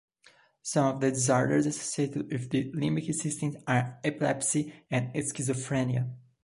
Some of the disorders associated with the limbic system are epilepsy and schizophrenia.